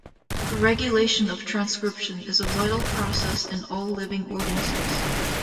The regulation of transcription is a vital process in all living organisms.